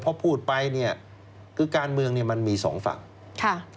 พอพูดไปเนี่ยคือการเมืองเนี่ยมันมีสองฝั่งค่ะ